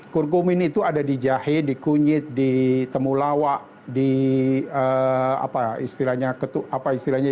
kurkumin itu ada di jahe di kunyit di temulawak di apa istilahnya ketuk apa istilahnya